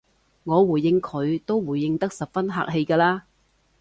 我回應佢都回應得十分客氣㗎喇